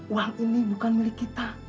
uang ini bukan milik kita